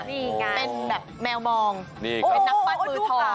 เป็นแบบแมวกันบองเป็นนักปั้นปือทอง